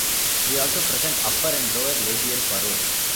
They also present upper and lower labial furrows.